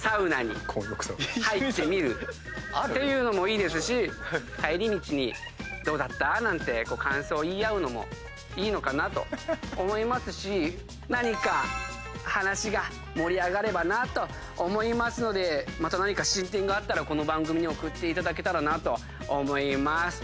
ていうのもいいですし帰り道に「どうだった？」なんて感想を言い合うのもいいのかなと思いますし何か話が盛り上がればなと思いますので何か進展があったらこの番組に送っていただけたらなと思います。